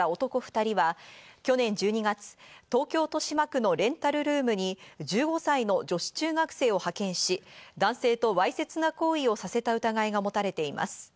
２人は、去年１２月、東京豊島区のレンタルルームに１５歳の女子中学生を派遣し、男性とわいせつな行為をさせた疑いが持たれています。